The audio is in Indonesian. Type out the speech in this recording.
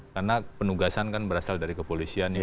karena penugasan kan berasal dari kepolisian